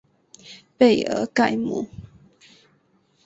贝尔盖姆。